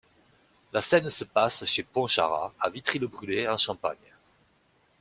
La scène se passe chez Pontcharrat, à Vitry-le-Brûlé, en Champagne.